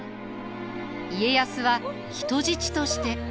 家康は人質として。